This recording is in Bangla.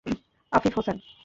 আফিফ হোসেন